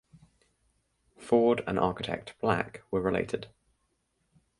Ford and architect Black were related.